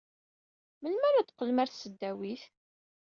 Melmi ara teqqlem ɣer tesdawit?